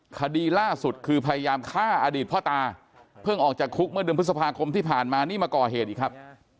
คดีล่าสุดคือพยายามฆ่าอดีตพ่อตาเพิ่งออกจากคุกเมื่อเดือนพฤษภาคมที่ผ่านมานี่มาก่อเหตุอีกครับ